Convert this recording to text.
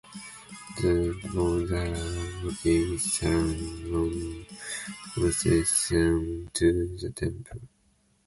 The devotees walked in solemn procession to the temple.